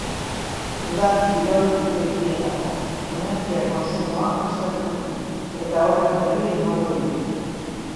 Udal kiroldegietako energia-kontsumoa aztertu du, eta horren berri emango digu.